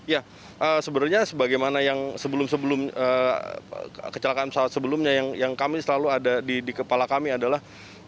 ya sebenarnya sebagaimana yang sebelum sebelum kecelakaan pesawat sebelumnya yang kami selalu ada di kepala kami adalah